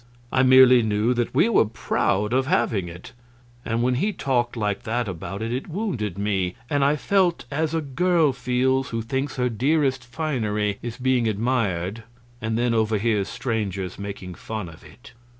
I merely knew that we were proud of having it, and when he talked like that about it, it wounded me, and I felt as a girl feels who thinks her dearest finery is being admired and then overhears strangers making fun of it.